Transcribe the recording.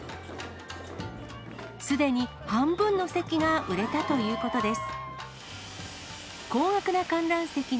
すでに半分の席が売れたということです。